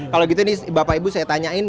kalau gitu ini bapak ibu saya tanyain